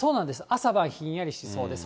朝晩、ひんやりしそうです。